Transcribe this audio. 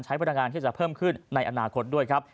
พลังงานที่จะเพิ่มขึ้นในอนาคตด้วยครับ